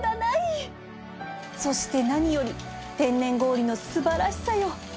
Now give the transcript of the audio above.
そして何より天然氷の素晴らしさよ